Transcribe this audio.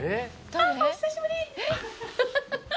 お久しぶりです。